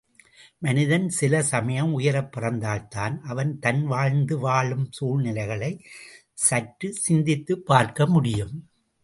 மனிதன் சில சமயம் உயரப் பறந்தால்தான் அவன் தன் வாழ்ந்த வாழும் சூழ்நிலைகளைச் சற்றுச் சிந்தித்துப் பார்க்க முடியும்.